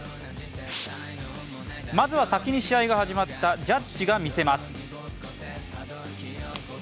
まずは先に試合が始まったジャッジが見せます。